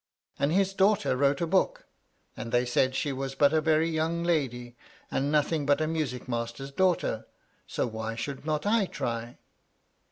And his daughter wrote a book, and they said she was but a very young lady, and nothing but a music master's daughter ; so why should not I try